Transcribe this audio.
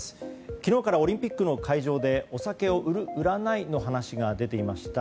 昨日からオリンピックの会場でお酒を売る、売らないの話が出ていました。